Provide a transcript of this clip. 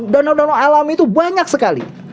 danau danau alami itu banyak sekali